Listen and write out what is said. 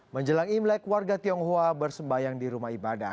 menjelang imlek warga tionghoa bersembayang di rumah ibadah